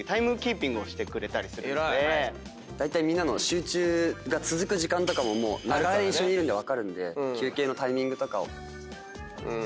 だいたいみんなの集中が続く時間とかも一緒にいるんで分かるんで休憩のタイミングとかを。